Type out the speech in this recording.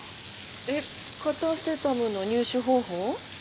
えっカタセタムの入手方法？